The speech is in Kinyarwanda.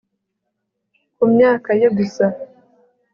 ku myaka ye gusa